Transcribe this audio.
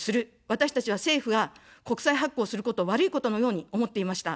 私たちは政府が国債発行することを悪いことのように思っていました。